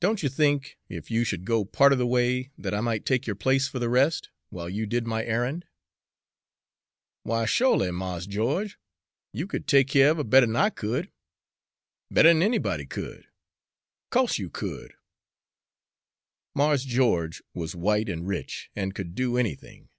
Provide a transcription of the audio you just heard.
Don't you think, if you should go part of the way, that I might take your place for the rest, while you did my errand?" "Why, sho'ly, Mars Geo'ge, you could take keer er her better 'n I could better 'n anybody could co'se you could!" Mars Geo'ge was white and rich, and could do anything.